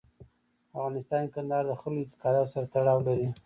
په افغانستان کې کندهار د خلکو له اعتقاداتو سره تړاو لري.